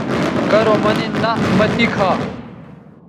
کرو مہ نِن نہ مہ تی کھا